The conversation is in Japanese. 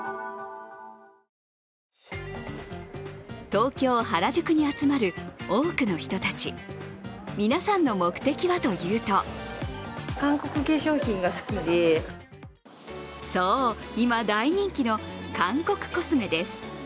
東京・原宿に集まる多くの人たち皆さんの目的はというとそう、今大人気の韓国コスメです